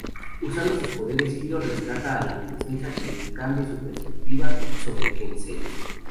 Usando sus poderes Hiro rescata a la princesa quien cambia su perspectiva sobre kensei.